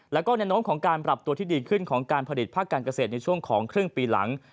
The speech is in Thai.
แล้วก็แนวโน้มของการปรับตัวที่ดีขึ้นของการผลิตภาคการเกษตรในช่วงของครึ่งปีหลัง